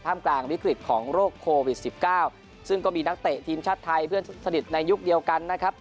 กลางวิกฤตของโรคโควิด๑๙ซึ่งก็มีนักเตะทีมชาติไทยเพื่อนสนิทในยุคเดียวกันนะครับ